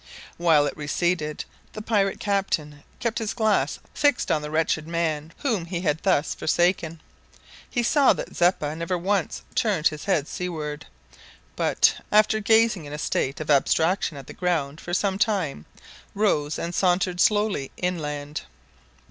While it receded, the pirate captain kept his glass fixed on the wretched man whom he had thus forsaken. He saw that Zeppa never once turned his head seaward, but, after gazing in a state of abstraction at the ground for some time, rose and sauntered slowly inland.